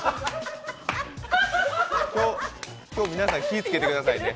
今日、皆さん気いつけてくださいね。